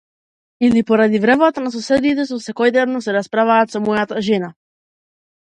Или поради вревата на соседите што секојдневно се расправаат со мојата жена?